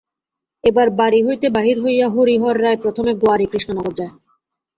এবার বাড়ি হইতে বাহির হইয়া হরিহর রায় প্রথমে গোয়াড়ী কৃষ্ণনগর যায়।